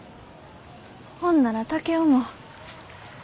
ほんなら竹雄も。